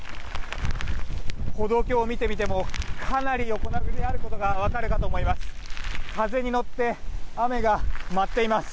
歩道橋を見てみてもかなり横殴りであることが分かるかと思います。